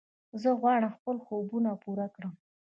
زه غواړم خپل خوبونه پوره کړم.